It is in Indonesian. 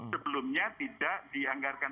sebelumnya tidak dianggarkan